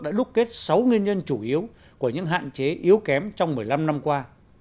đã đúc kết sáu nguyên nhân chủ yếu của những hạn chế yếu kém trong một mươi năm năm qua